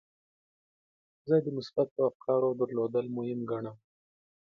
زه د مثبتو افکارو درلودل مهم ګڼم.